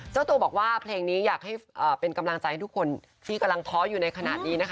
เจ้าตัวบอกว่าเพลงนี้อยากให้เป็นกำลังใจให้ทุกคนที่กำลังท้ออยู่ในขณะนี้นะคะ